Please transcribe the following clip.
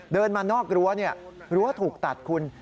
เดินมานอกรั้วรั้วถูกตัดคุณ